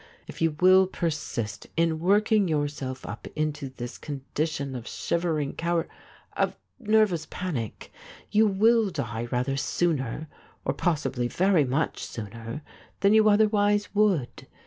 If you will persist in working yourself up into this condition of shivering cowar — of nervous panic, you will die rather sooner, or possibly very much sooner, than you otherwise would.